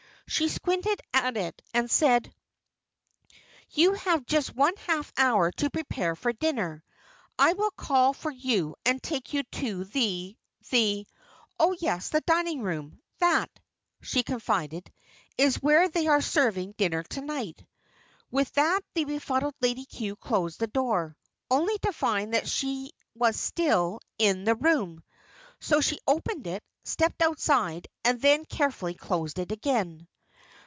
She squinted at it, and said, "You have just one half hour to prepare for dinner. I will call for you and take you to the the oh yes, the dining room. That," she confided, "is where they are serving dinner tonight." With that the befuddled Lady Cue closed the door, only to find she was still in the room. So, she opened it, stepped outside, and then carefully closed it again.